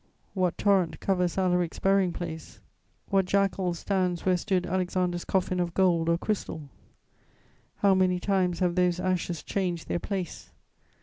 What torrent covers Alaric's burying place? What jackal stands where stood Alexander's coffin of gold or crystal? How many times have those ashes changed their place?